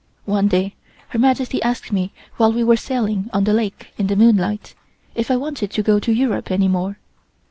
One day Her Majesty asked me while we were sailing on the lake in the moonlight, if I wanted to go to Europe any more.